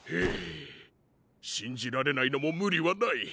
しんじられないのもむりはない。